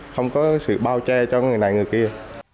không có sự bao che cho người này người kia